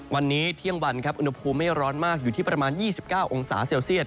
วันนี้เที่ยงวันครับอุณหภูมิไม่ร้อนมากอยู่ที่ประมาณ๒๙องศาเซลเซียต